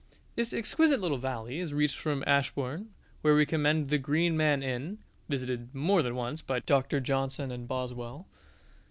This exquisite little valley is reached from Ashbourne, where we commend the Green Man Inn (visited more than once by Doctor Johnson and Boswell).